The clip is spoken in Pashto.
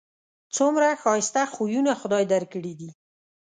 څومره ښایسته خویونه خدای در کړي دي